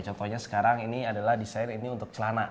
contohnya sekarang ini adalah desain ini untuk celana